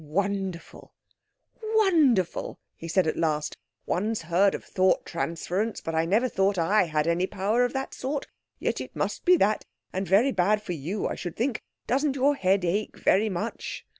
"Wonderful—wonderful!" he said at last. "One's heard of thought transference, but I never thought I had any power of that sort. Yet it must be that, and very bad for you, I should think. Doesn't your head ache very much?"